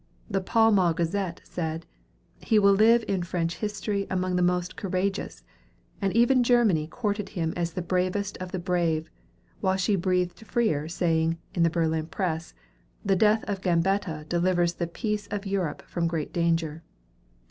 The "Pall Mall Gazette" said, "He will live in French history among the most courageous"; and even Germany courted him as the bravest of the brave, while she breathed freer, saying in the "Berlin Press," "The death of Gambetta delivers the peace of Europe from great danger."